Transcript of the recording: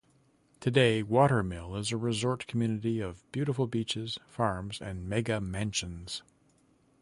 Today Water Mill is a resort community of beautiful beaches, farms and mega mansions.